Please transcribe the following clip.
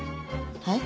はい？